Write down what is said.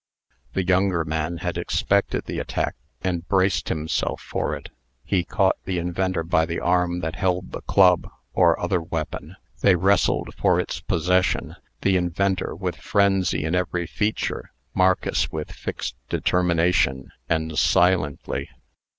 The younger man had expected the attack, and braced himself for it. He caught the inventor by the arm that held the club, or other weapon. They wrestled for its possession the inventor with frenzy in every feature, Marcus with fixed determination, and silently.